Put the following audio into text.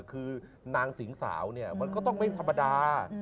คือนางสิงสาวมันก็ต้องเป็นธรรมดา